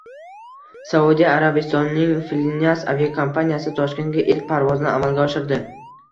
Saudiya Arabistonining Flynas aviakompaniyasi Toshkentga ilk parvozini amalga oshirdi